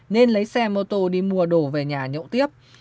nên lấy xe mô tô đi mua đổ về nhà nhậu tiếp